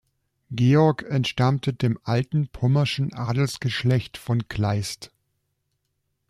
Georg entstammte dem alten pommerschen Adelsgeschlecht von Kleist.